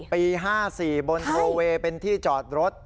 ปี๕๔บนโทเวย์เป็นที่จอดรถ